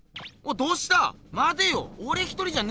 どうした？